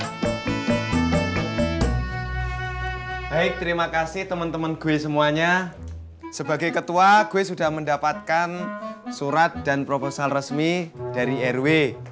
sampai terima kasih temen teme semuanya sebagai ketua gewit sudah mendapatkan surat dan proposal resmi dari rw